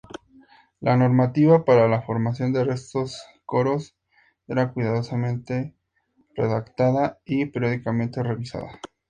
La normativa para la formación de estos coros era cuidadosamente redactada y periódicamente revisada.